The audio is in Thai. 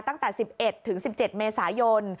ตั้งแต่๑๑ถึง๑๗เมษายน